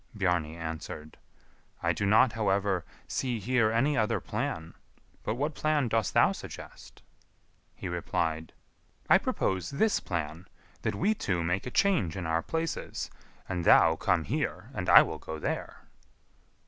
Bjarni answered, "I do not, however, see here any other plan; but what plan dost thou suggest?" He replied, "I propose this plan, that we two make a change in our places, and thou come here and I will go there."